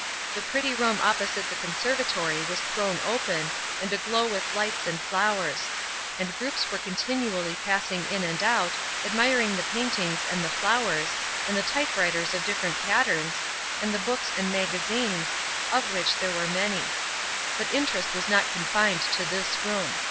The pretty room opposite the conservatory was thrown open, and aglow with lights and flowers; and groups were continually passing in and out, admiring the paintings and the flowers, and the type writers of different patterns, and the books and magazines, of which there were many. But interest was not confined to this room.